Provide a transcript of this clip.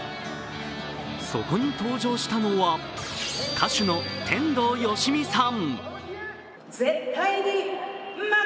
そこに登場したのは歌手の天童よしみさん。